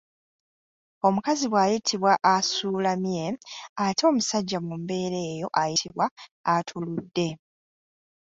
Omukazi bw’ayitibwa asuulamye ate omusajja mu mbeera eyo ayitibwa atuuludde.